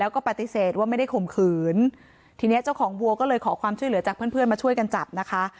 แล้วก็ปฏิเสธว่าไม่ได้ข่มขืนทีเนี้ยเจ้าของวัวก็เลยขอความช่วยเหลือจากเพื่อนเพื่อนมาช่วยกันจับนะคะ